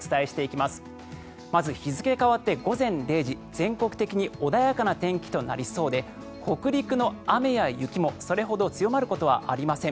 まず、日付変わって午前０時全国的に穏やかな天気となりそうで北陸の雨や雪もそれほど強まることはありません。